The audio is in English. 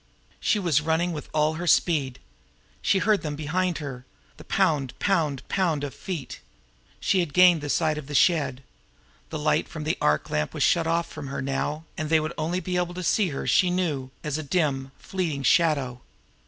She was running with all her speed. She heard them behind her the pound, pound, pound of feet. She had gained the side of the shed. The light from the arc lamp was shut off from her now, and they would only be able to see her, she knew, as a dim, fleeting shadow.